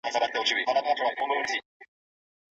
په کورنۍ کي د مطالعې فضا برابره کړئ.